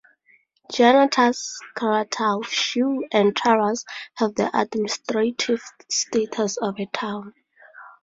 Janatas, Karatau, Shu, and Taraz have the administrative status of a town.